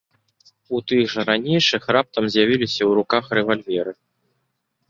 У тых жа ранейшых раптам з'явіліся ў руках рэвальверы.